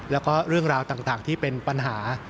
แล้วก็เรื่องราวต่างที่เป็นปัญหา